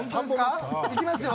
行きますよ。